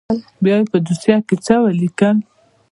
بيا يې په دوسيه کښې څه وليکل.